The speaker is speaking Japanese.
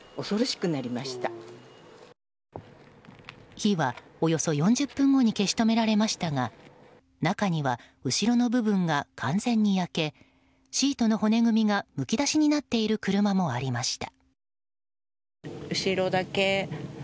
火はおよそ４０分後に消し止められましたが中には後ろの部分が完全に焼けシートの骨組みがむき出しになっている車もありました。